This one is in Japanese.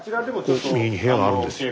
スタジオ右に部屋があるんですよ。